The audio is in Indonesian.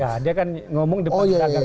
ya dia kan ngomong di depan pembicaraan pmp itu